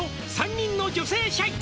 「３人の女性社員」